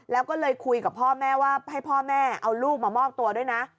แล้วก็เลยคุยกับพ่อแม่ว่าให้พ่อแม่เอาลูกมามอบตัวด้วยนะ